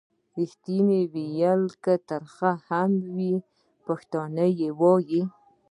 ریښتیا ویل که تریخ هم وي پښتون یې وايي.